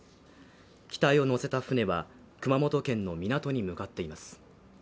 機体を乗せた船は、熊本県の港に向かっています。